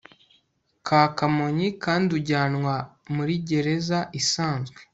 ka kamonyi kandi ujyanwa murigereza isanzwe